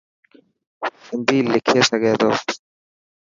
سنڌي لکي سگھي ٿو.